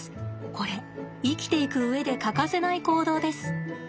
これ生きていく上で欠かせない行動です。